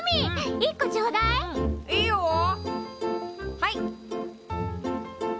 はい。